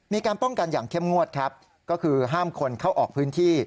มีการป้องกันอย่างเข้มงวดครับก็คือห้ามคนเข้าออกพื้นที่